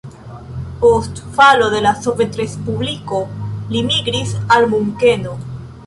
Post falo de la Sovetrespubliko li migris al Munkeno.